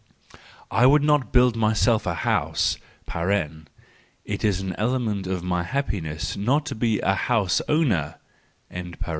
—I would not build myself a house (it is an element of my happiness not to be a house owner!).